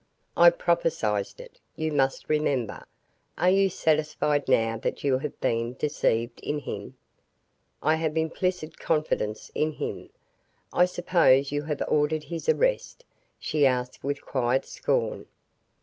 "I prophesied it, you must remember. Are you satisfied now that you have been deceived in him?" "I have implicit confidence in him. I suppose you have ordered his arrest?" she asked with quiet scorn.